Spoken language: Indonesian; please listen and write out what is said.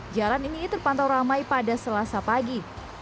jalan ini terpantau ramai pada selasa pagi